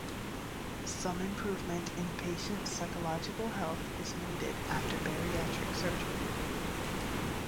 Some improvement in patient psychological health is noted after bariatric surgery.